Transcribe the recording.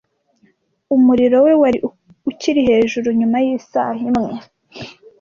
Umuriro we wari ukiri hejuru nyuma yisaha imwe.